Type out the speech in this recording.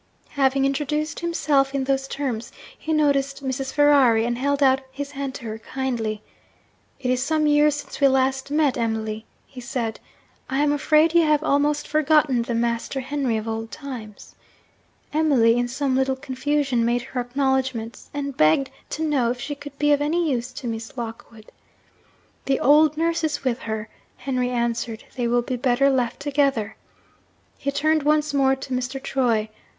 Having introduced himself in those terms, he noticed Mrs. Ferrari, and held out his hand to her kindly. 'It is some years since we last met, Emily,' he said. 'I am afraid you have almost forgotten the "Master Henry" of old times.' Emily, in some little confusion, made her acknowledgments, and begged to know if she could be of any use to Miss Lockwood. 'The old nurse is with her,' Henry answered; 'they will be better left together.' He turned once more to Mr. Troy.